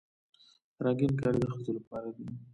رنګین کالي د ښځو لپاره دي.